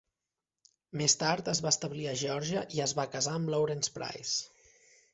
Més tard es va establir a Georgia i es va casar amb Lawrence Price.